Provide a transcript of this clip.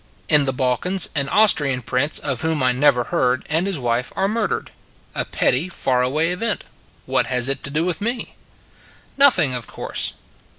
In the Balkans, an Austrian prince of whom I never heard, and his wife, are mur dered. A petty far away event : what has it to do with me? Nothing, of course.